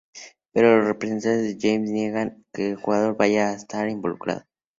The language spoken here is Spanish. Pero los representantes de James niegan que el jugador vaya a estar involucrado.